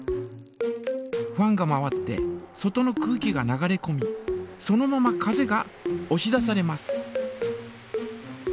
ファンが回って外の空気が流れこみそのまま風がおし出されます。